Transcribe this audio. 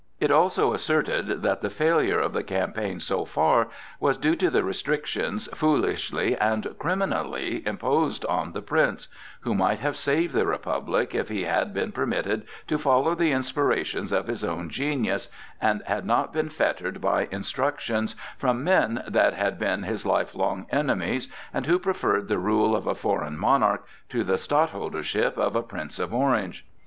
It also asserted that the failure of the campaign so far was due to the restrictions foolishly and criminally imposed on the Prince, who might have saved the Republic if he had been permitted to follow the inspirations of his own genius and had not been fettered by instructions from men that had been his life long enemies and who preferred the rule of a foreign monarch to the stadtholdership of a Prince of Orange.